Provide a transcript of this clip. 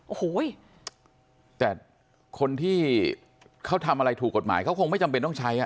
โอ้โหแต่คนที่เขาทำอะไรถูกกฎหมายเขาคงไม่จำเป็นต้องใช้อ่ะ